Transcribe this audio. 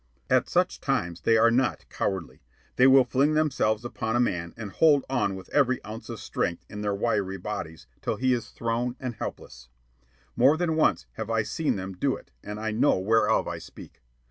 At such times they are not cowardly. They will fling themselves upon a man and hold on with every ounce of strength in their wiry bodies, till he is thrown and helpless. More than once have I seen them do it, and I know whereof I speak.